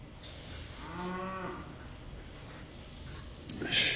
よし。